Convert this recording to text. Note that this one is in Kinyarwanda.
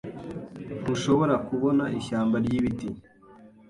Ntushobora kubona ishyamba ryibiti.